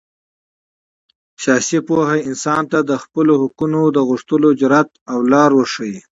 سیاسي پوهه انسان ته د خپلو حقونو د غوښتلو جرات او لاره ورښیي.